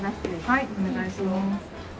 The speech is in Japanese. はいお願いします。